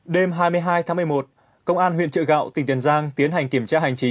đêm hai mươi hai tháng một mươi một công an huyện trợ gạo tỉnh tiền giang tiến hành kiểm tra hành chính